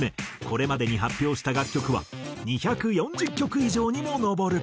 これまでに発表した楽曲は２４０曲以上にも上る。